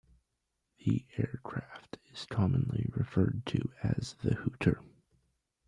The aircraft is commonly referred to as the "Hooter".